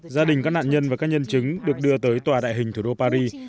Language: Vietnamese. gia đình các nạn nhân và các nhân chứng được đưa tới tòa đại hình thủ đô paris